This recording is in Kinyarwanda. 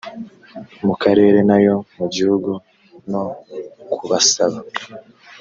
mu karere n ayo mu gihugu no kubasaba